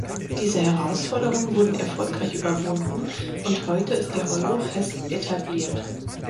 Diese Herausforderungen wurden erfolgreich überwunden, und heute ist der Euro fest etabliert.